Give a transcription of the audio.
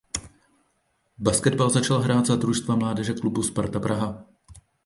Basketbal začal hrát za družstva mládeže klubu Sparta Praha.